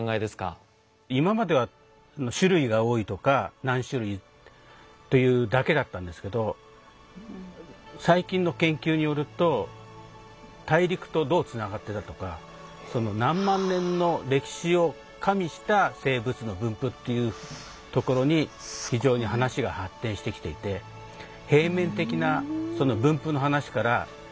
今までは種類が多いとか何種類というだけだったんですけど最近の研究によると大陸とどうつながってたとかその何万年の歴史を加味した生物の分布っていうところに非常に話が発展してきていてうん。